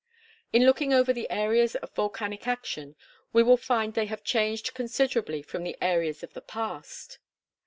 In looking over the areas of volcanic action, we will find they have changed considerably from the areas of the past.